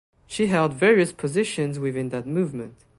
She held various positions within that movement.